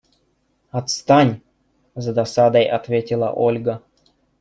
Отстань! – с досадой ответила Ольга.